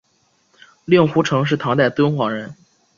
令狐澄是唐代敦煌人。